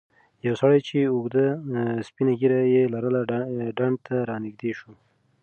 یو سړی چې اوږده سپینه ږیره یې لرله ډنډ ته رانږدې شو.